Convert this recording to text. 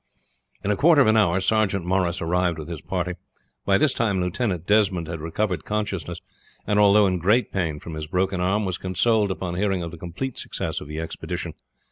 In a quarter of an hour Sergeant Morris arrived with his party. By this time Lieutenant Desmond had recovered consciousness, and although in great pain from his broken arm was consoled upon hearing of the complete success of the expedition.